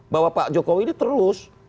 bahwa pak jokowi ini terus